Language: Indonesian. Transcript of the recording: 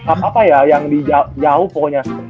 kap apa ya yang di jauh pokoknya